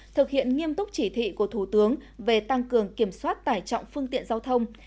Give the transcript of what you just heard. thực hiện nghiêm túc chỉ thị của thủ tướng về tăng cường kiểm soát tải trọng phương tiện giao thông